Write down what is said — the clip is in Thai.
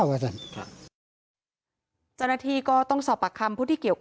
จุดหน้าทีก็ต้องสอบปักคลามผู้ที่เกี่ยวข้อง